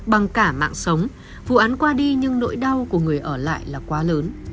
bằng cả mạng sống vụ án qua đi nhưng nỗi đau của người ở lại là quá lớn